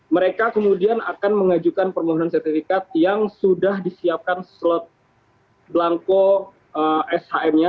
mereka kemudian akan mengajukan permohonan sertifikat yang sudah disiapkan slot belangko shm nya